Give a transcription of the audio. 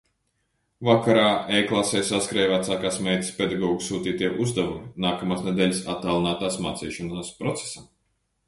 Vakarā e-klasē saskrēja vecākās meitas pedagogu sūtītie uzdevumi nākamās nedēļas attālinātās mācīšanās procesam.